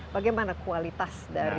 bagaimana kualitas dari